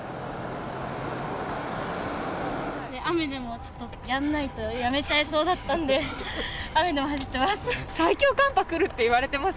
雨でもちょっとやんないとやめちゃいそうだったんで、雨でも走ってます。